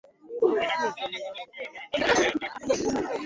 Mipangilio hiyo ya miji ilizingatia mifumo ya kwanza ya usafi wa mazingira mijini